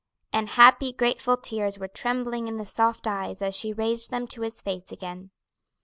And happy, grateful tears were trembling in the soft eyes as she raised them to his face again.